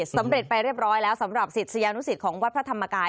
สำเร็จไปเรียบร้อยแล้วสำหรับศิษยานุสิตของวัดพระธรรมกาย